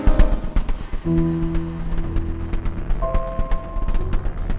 ya aku harus berhasil